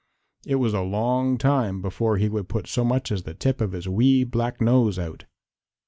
It was a long time before he would put so much as the tip of his wee black nose out.